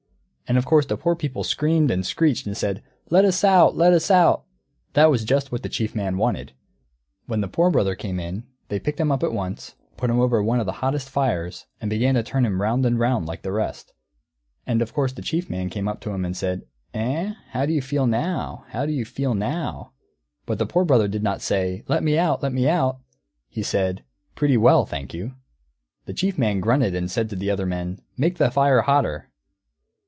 And of course the poor people screamed and screeched and said, "Let us out! Let us out!" That was just what the Chief Man wanted. When the Poor Brother came in, they picked him up at once, and put him over one of the hottest fires, and began to turn him round and round like the rest; and of course the Chief Man came up to him and said, "Eh, how do you feel now? How do you feel now?" But the Poor Brother did not say, "Let me out! Let me out!" He said, "Pretty well, thank you." The Chief Man grunted and said to the other men, "Make the fire hotter."